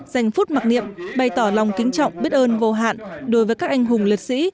dành phút mặc niệm bày tỏ lòng kính trọng biết ơn vô hạn đối với các anh hùng liệt sĩ